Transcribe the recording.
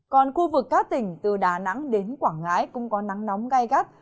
còn khu vực các tỉnh từ đà nẵng đến quảng ngãi cũng có nắng nóng gai gắt